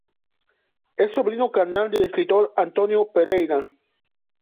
Es sobrino carnal del escritor Antonio Pereira.